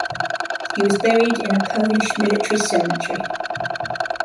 He was buried in a Polish military cemetery.